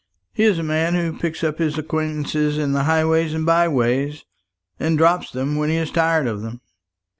He is a man who picks up his acquaintance in the highways and byways, and drops them when he is tired of them."